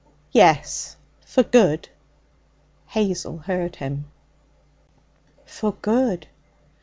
'Yes, for good.' Hazel heard him. 'For good.'